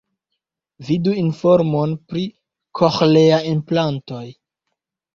Vidu informon pri koĥlea-enplantoj.